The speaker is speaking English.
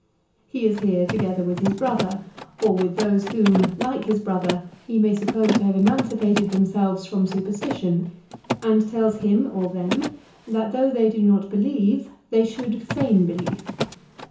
He is here together with his brother or with those whom, like his brother, he may suppose to have emancipated them selves from superstition, and tells him or them that though they do not believe they should feign belief.